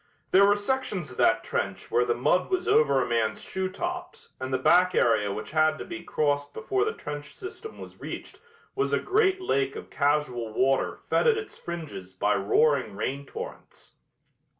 There were sections of that trench where the mud was over a man's shoetops and the back area which had to be crossed before the trench system was reached was a great lake of casual water fed at its fringes by roaring rain torrents.